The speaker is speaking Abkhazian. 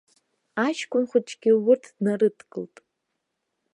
Аҷкәын хәыҷгьы урҭ днарыдгылт.